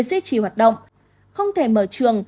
duy trì hoạt động không thể mở trường